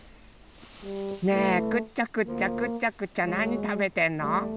ねえくちゃくちゃくちゃくちゃなにたべてんの？